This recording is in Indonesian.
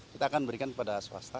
kita akan berikan kepada swasta